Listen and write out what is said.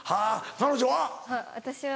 彼女は？